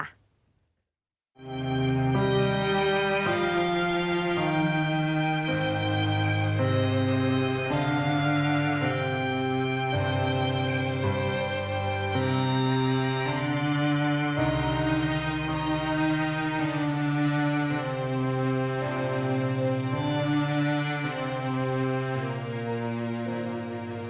ห้า